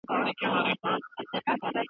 د ارغنداب سیند د سیلګرۍ له پاره هم ارزښت لري.